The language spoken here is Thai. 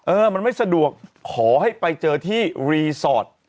เออมันไม่สะดวกขอให้ไปเจอที่รีสอร์ท